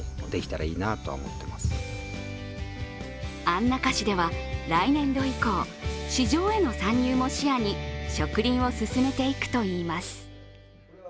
安中市では来年度以降、市場への参入も視野に、植林を進めていくといいます。